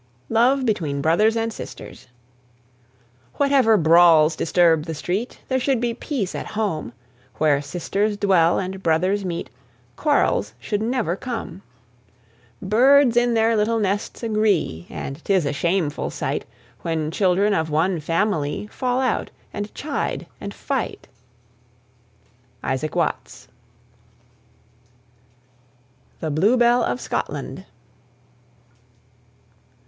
LOVE BETWEEN BROTHERS AND SISTERS. Whatever brawls disturb the street, There should be peace at home; Where sisters dwell and brothers meet, Quarrels should never come. Birds in their little nests agree; And 'tis a shameful sight, When children of one family Fall out and chide and fight. ISAAC WATTS. THE BLUEBELL OF SCOTLAND.